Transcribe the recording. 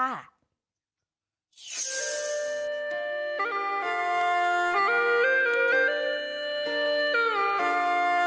ประสบครอง